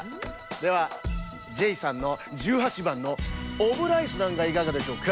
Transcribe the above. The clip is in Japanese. ではジェイさんのじゅうはちばんのオムライスなんかいかがでしょうか？